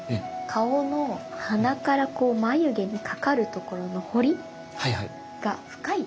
顔の鼻から眉毛にかかるところの彫りが深い。